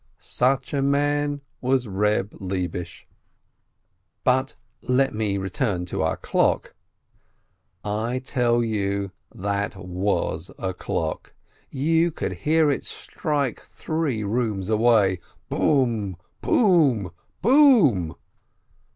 Such a man was Reb Lebish. But let me return to our clock. I tell you, that was a clock! You could hear it strike three rooms away: Bom ! bom ! bom